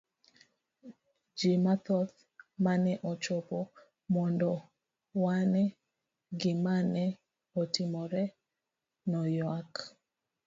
Ji mathoth mane ochopo mondo one gima ne otimore noyuak.